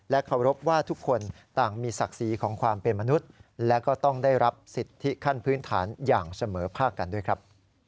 เคารพว่าทุกคนต่างมีศักดิ์ศรีของความเป็นมนุษย์และก็ต้องได้รับสิทธิขั้นพื้นฐานอย่างเสมอภาคกันด้วยครับ